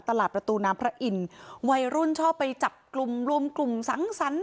ตลาดประตูน้ำพระอินทร์วัยรุ่นชอบไปจับกลุ่มรวมกลุ่มสังสรรค์